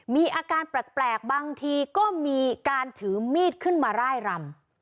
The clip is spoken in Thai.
มีอาการแปลกบางทีก็มีการถือมีดขึ้นมาร่ายรำ